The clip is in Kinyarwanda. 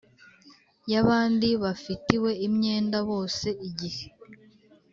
Y abandi bafitiwe imyenda bose igihe